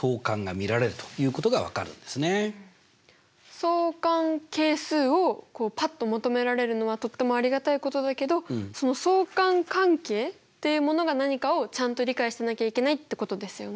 相関係数をぱっと求められるのはとってもありがたいことだけど相関関係っていうものが何かをちゃんと理解してなきゃいけないってことですよね。